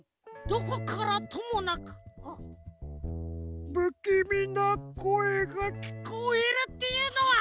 どこからともなくぶきみなこえがきこえるっていうのは！